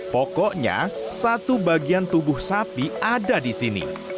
pokoknya satu bagian tubuh sapi ada di sini